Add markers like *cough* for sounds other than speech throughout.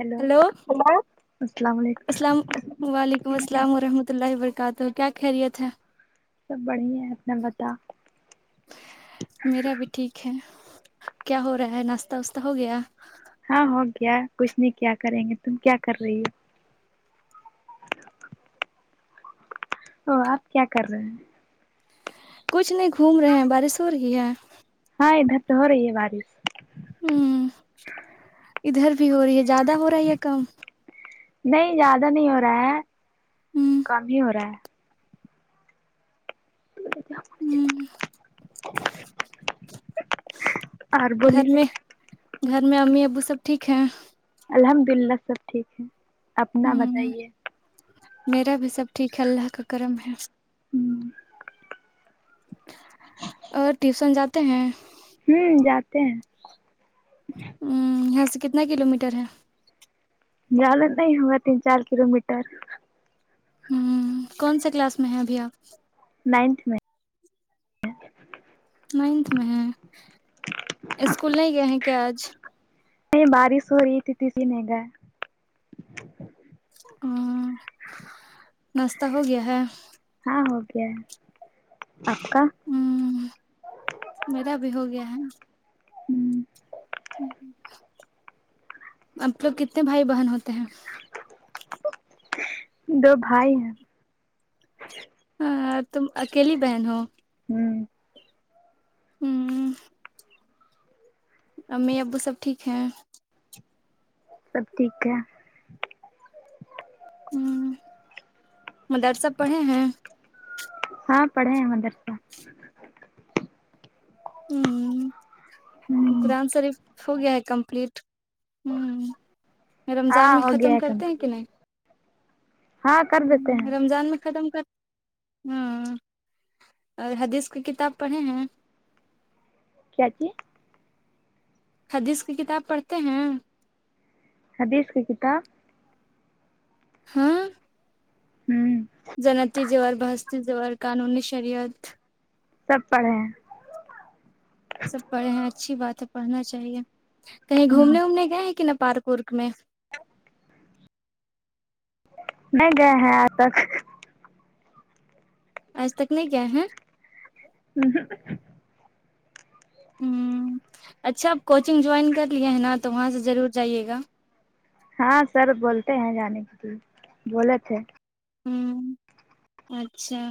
hello hello hello السلام علیکم السلام وعلیکم السلام ورحمۃ اللہ وبرکاتہ کیا خیریت ہے سب بڑھیا ہے اپنا بتا میرا بھی ٹھیک ہے کیا ہو رہا ہے ناشہ واشہ ہو گیا ہاں ہو گیا کچھ نہیں کیا کریں گے تم کیا کر رہی ہو او آپ کیا کر رہے ہیں کچھ نہیں گھوم رہے ہیں بارش ہو رہی ہے ہاں ادھر تو ہو رہی ہے بارش ہمم ادھر بھی ہو رہی ہے زیادہ ہو رہا یا کم نہیں زیادہ نہیں ہو رہا ہے کم ہی ہو رہا ہے ہمم اور گھر بولی میں گھر میں امی ابو سب ٹھیک ہیں الحمد للہ سب ٹھیک ہے اپنا ہمم بتائیے میرا بھی سب ٹھیک ہے اللہ کا کرم ہے ہمم اور ٹیوشن جاتے ہیں ہمم جاتے ہیں ہمم یہاں سے کتنا کلو میٹر ہے جیالت نہیں ہوگا تین چار کلو میٹر ہمم کون سے کلاس میں ہے ابھی آپ نائنتھ میں نائنتھ میں ہے اسکول نہیں گئے ہیں کیا آج نہیں بارش ہو رہی تھی تسی نہیں گئے ہمم ناشہ ہو گیا ہے ہاں ہو گیا ہے آپ کا ہمم میرا بھی ہو گیا ہے ہمم آپ لوگ کتنے بھائی بہن ہوتے ہیں دو بھائی ہیں ہاں تم اکیلی بہن ہو ہمم ہمم امی ابو سب ٹھیک ہیں سب ٹھیک ہے مدرسہ پڑے ہیں ہاں پڑھے ہیں مدر سے ہمم ہوں قرآن شاریف ہو گایا ہے کومپلٹ ہمم ہاں رمضان میں ہو گیا ختم ہے کرتے ہیں کہ کمپلیٹ نہیں ہاں کر دیتے ہمم ہیں رمضان میں ختم کر ہاں اور حدیث کی کتاب پڑھے ہیں کیا چی حدیث کی کتاب پڑھتے ہیں حدیث کی کتاب ہاں ہمم جنتی جیور بہستی زیور قانونی شریعت سب پڑھے ہیں سب پڑھے ہیں اچھی بات ہے پڑھنا چاہیے کہیں ہوں گھومنے وومنے گئے ہیں کی نہ پارک ورک میں لو نہیں گئے ہیں آج تک آج تک نہیں گیا ہیں آمم ہمم ہمم اچھا آپ کوچنگ جوائن کر لۓ ہے نا تو وہاں سے ضرور جائیے گا ہاں سر بولتے ہیں جانے کے لیے بولے تھے ہمم اچھا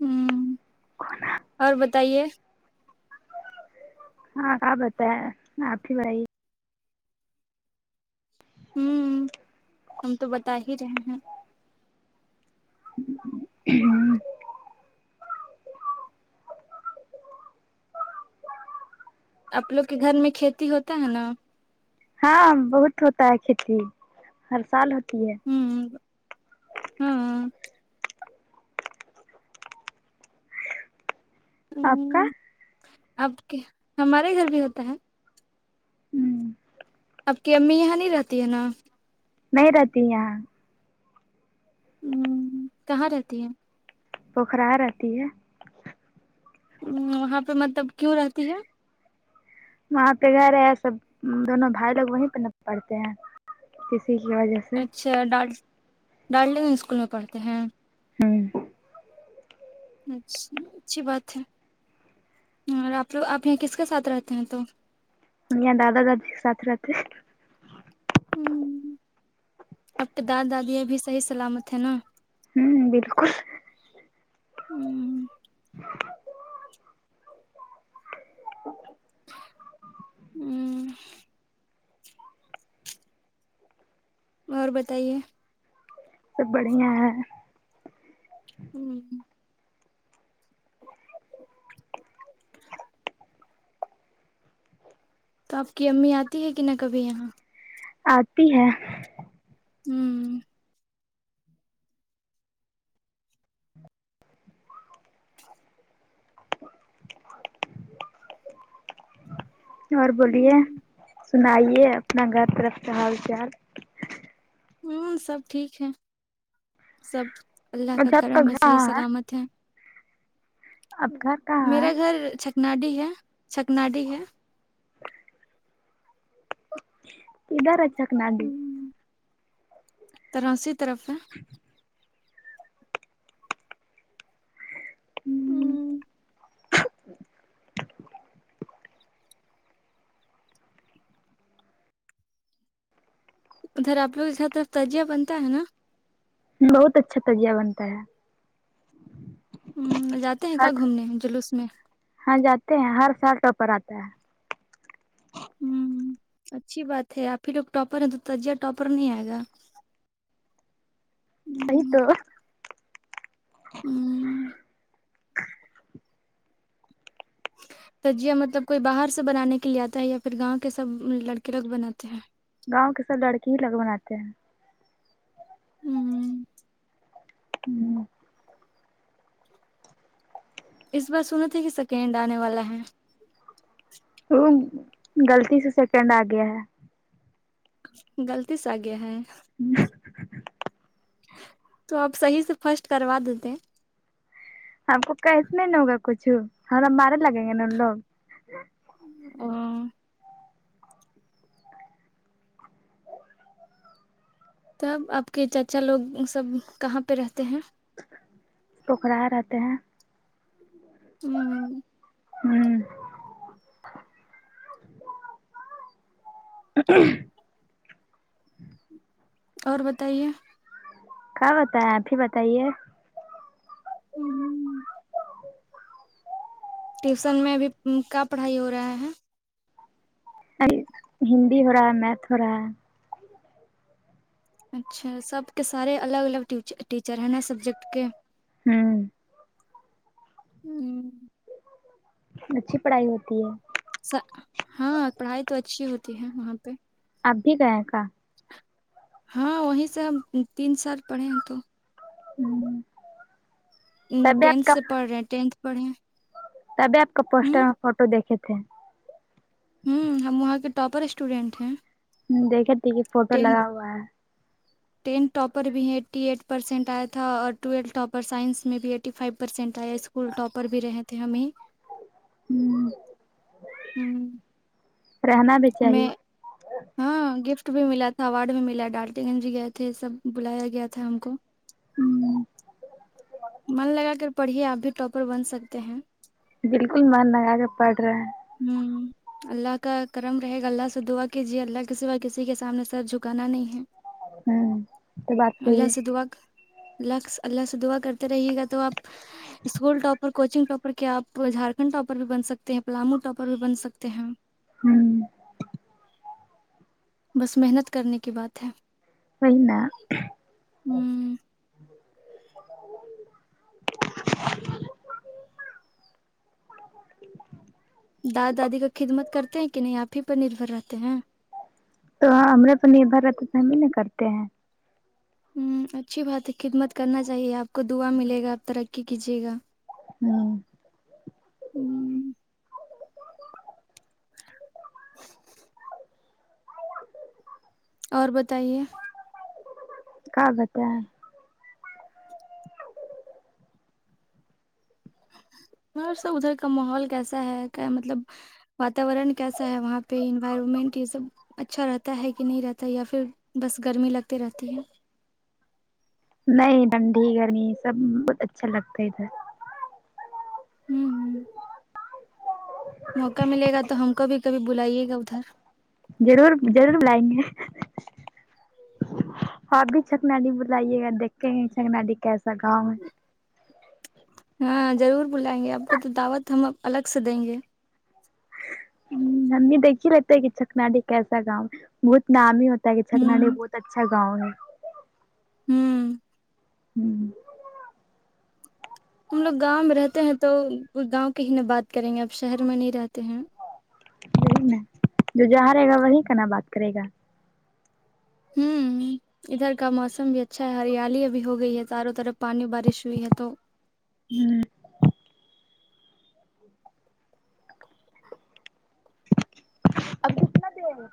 ہمم اور بتائیے ہاں کیا بتائے آپ ہی بھائی ہمم ہم تو بتا ہی رہے ہیں ہمم آپ لوگ کے گھر میں کھیتی ہوتا ہے نا ہاں بہت ہوتا ہے کھیتی ہر سال ہوتی ہے ہوں ہاں آپ کا ہمم آپ کے ہمارے گھر بھی ہوتا ہے ہمم آپ کی امی یہاں نہیں رہتی ہے نا نہیں رہتی یہاں آمم کہاں رہتی ہے پوکھرا رہتی ہے وہاں پے مطلب کیوں رہتی ہے وہاں پے گھر ہے سب دونوں بھائی لوگ وہیں پے نہ پڑھتے ہیں اسی کی وجہ سے اچھا ڈار ڈارلنگ اسکول میں پڑھتے ہیں ہمم اچھا اچھی بات ہے اور آپ لوگ آپ یہاں کس کے ساتھ رہتے ہیں تو یہاں دادا دادی کے ساتھ رہتے ہے ہمم اب تو دادا دادی ابھی صحیح سلامت ہے نا ہوں بالکل ہ *unintelligible* ہوں اور بتائیے سب بڑھیا ہے ہوں تو آپ کی امی آتی ہے کہ نہ کبھی یہاں آتی ہے ہمم اور بولیے سنائیے اپنا گھر طرف کا حال چال ہوں سب ٹھیک ہے سب اللہ کا اچھا آپ کرم ہے گھر صحیح کہاں سلامت ہے اب گھر کا میرا گھر چھکناڈی ہے چھکناڈی ہے *unintelligible* کدھر ہے تراسی طرف ہے *unintelligible* ہوں *unintelligible* ادھر آ لوگر طرف تجیہ بنتا ہے نا بہت اچھا تجیہ بنتا ہے ہ جاتے ہیں کہ ہر گھومنے جلوس میں ہاں جاتے ہیں ہر سال ٹوپر آتا ہے ہوں اچھی بات ہے آپ ہی لوگ ٹاپر ہیں تو تجیہ ٹاپر نہیں آئے گا نہیں توہ ھمم *inaudible* سجیا مطلب کوئی باہر سے بنانے کے لیے آتا ہے یا پھر گاؤں کے سب لڑکے لوگ بناتے ہیں گاؤں کے سب لڑکے ہی لوگ بناتے ہیں ہوں ہوں اس بار سنا تھاے کہ سیکینڈ آنے والا ہے ہمم گغلط سے سیکنڈ آ گیا ہے غلط سے آ گیا ہے *unintelligible* تو آپ صحیح سے فرسٹ کروا دیتے ہیں ہم کو کیس میں ن ہوگا کچھ اور ہمارے لگیں گے نا ان لوگ ہاں تب آپ کے چاچا لوگ سب کہاں پہ رہتے ہیں ٹھکرائے رہتے ہیں ھمم ھمم *unintelligible* اور بتائیے کیا ہوتا ہے اپ ہی بتائیے *inaudible* ٹیوسن میں ابھی کیا پڑھائی ہو رہا ہے ہندی ہورہا ہے میتھس ہو رہا ہے اچھا سب کے سارے الگ الگ ٹیچر ہیں نا سبجیکٹ کے ہممم ہمم اچھی پڑھائی ہوتی ہے ہاں پڑھائی تو اچھی ہوتی ہے وہاں پہ آپ بھی گئے کا ہاں وہیں سے ہم تین سال پڑھے ہیں تو ہممم ٹینتھ سے پڑھ رہے ہیں ٹینتھ پڑھے تبھی آپ کا پوسٹر ہوں میں فوٹو دیکھے تھے ھمم ہم وہاں کے ٹاپر اسٹوڈنٹ ہیں دیکھے تھے کہ فوٹو ٹین لگا ہوا ہے ٹین ٹاپر بھی ایٹی ایٹ پرسینٹ آیا تھا اور ٹویل ٹاپر سائنس میں بھی ٹی فائیو پرسینٹ آیا اسکول ٹاپر بھی رہے تھے ہمیں ہممم ھمم رہنا بھی چاہیے ہاں گفٹ بھی ملا تھا اوارڈ بھی ملا ڈالٹی گنج بھی گئے تھے سب بلایا گیا تھا ہم کو ہوں من لگا کر پڑھیے آپ بھی ٹاپر بن سکتے ہیں بلکل من لگا کے پڑھ رہے ہیں ہمم اللہ کا کرم رہے گا اللہ سے دعا کیجیے اللہ کسیوا کسی کے سامنے سر جھکانا نہیں ہے ہوں تو بات اللہ صحیح سے ہے دعا اللہ اللہ سے دعا کرتے رہے گا تو آپ اسکول ٹاپر کو کوچنگ ٹاپر کیا آپ جھارکھنڈ ٹاپر بھی بن سکتے ہیں پلامو ٹاپر بھی بن سکتے ہیں ہمم بس محنت کرنے کی بات ہے وہی نا ہ دادا دادی کا خدمت کرتے ہیں کہ نہیں آپ ہی پر نربھر رہتے ہیں تو ہمرے پہ نربھر رہتا تو ہم ہی نا کرتے ہیں ہممم اچھی بات ہے خدمت کرنا چاہیے آپ کو دعا ملے گا آپ ترقی کیجیے گا ہاں ہوں، آ اور بتائیے کا بتائیں وہاں ادھر کا ماحول کیسا ہے کیا مطلب واتاورن کیسا ہے وہاں پہ انوائرمنٹ یہ سب اچھا رہتا ہے کہ نہیں رہتا ہے یا پھر بس گرمی لگتی رہتی ہے نہیں ٹھنڈی گرمی سب اچھا لگتا ہے ادھر ھم م موقع ملے گا تو ہم کو بھی کبھی بلائیے گا ادھر ضرور ضرور بلائیں گے آ بھی چھکناڈی بلائیے گا دیکھیں گے چکنای کیسا گاؤں ہے ہاں ضرور بلائیں گے آپ کو تو دعوت ہم الگ سے دیں گے ہ ہم بھی دیکھ ہی رہتے ہے کہ چکناڈی کیسا گاؤں ہے بہت نام ہی ہوتا تا کے چکنا ڈی ہوں بہت اچھا گاؤں ہوں ھم ہم لوگ گاؤں میں رہتے ہیں تو گاؤں کی ہی ن بات کریں گے اب شہر میں نہیں رہتے ہیں سہی مے جو جہاں رہے گا وہی کنا بات کرے گا ہمم ادھر کا موسم بھی اچھا ہے ہریالی ا بھیھی ہو گئی ہے چاروں طرف پانی بارش ہوئی ہے تو ہمم اب کتنا دیر ہے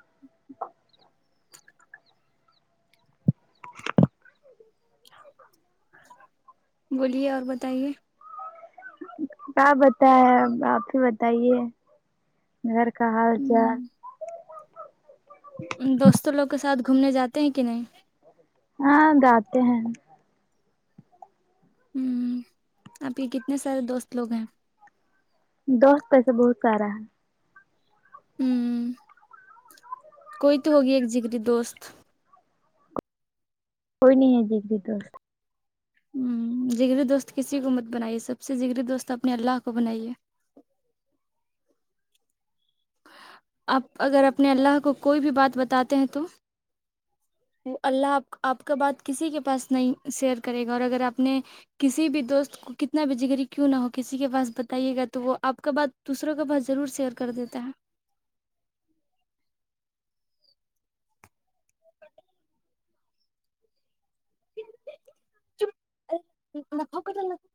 بولیے اور بتائیے کیا بتا ہے آپ ہی بتائیے گھر کہا جہ ہوں دوستوں لوگ کے ساتھ گھومنے جاتے ہیں کہ نہیں ہاں جا تے ہیں ہمم آپ کے کتنے سارے دوست لوگ ہیں دس پیسہ بہت سارا ہے ہمم کوئی تو ہوگی ایک جگری دوست کوئی نہیں ہے جگری دوست ھم جری دوست کسی کو مت بنائیے سب سے جگرری دوست اپنے اللہ کو بنائیے آپ اگر اپنے اللہ کو کوئی بھی بات بتاتے ہیں تو وہ اللہ آپ آپ کا بات کسی کے پاس نہیں شیئر کرے گا اور اگر آپ نے کسی بھی دوست کو کتنا بھی جگری کیوں نہ ہو کسی کے پاس بتائیے گا تو وہ آپ کا بات دوسروں کو با ت ضرور سیر کر دیتے ہے فکت *unintelligible*